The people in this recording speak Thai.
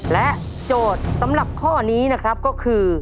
และโจทย์สำหรับข้อนี้นะครับก็คือ